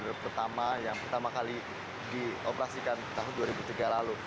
jalur pertama yang pertama kali dioperasikan tahun dua ribu tiga lalu